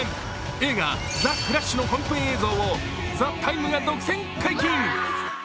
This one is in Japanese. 映画「ザ・フラッシュ」の本編映像を「ＴＨＥＴＩＭＥ，」が独占解禁。